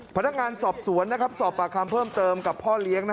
พนักงานสอบสวนสอบปากคำเพิ่มเติมกับพ่อเลี้ยง